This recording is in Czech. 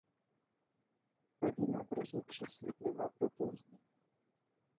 Rodina brzy přesídlila do Plzně.